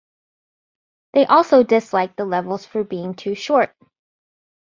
They also disliked the levels for being too short.